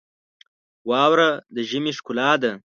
واوره د ژمي ښکلا ده.